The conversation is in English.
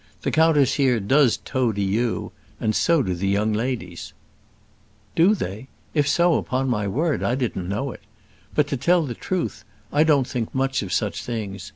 The countess here does toady you, and so do the young ladies." "Do they? if so, upon my word I didn't know it. But, to tell the truth, I don't think much of such things.